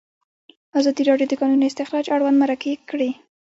ازادي راډیو د د کانونو استخراج اړوند مرکې کړي.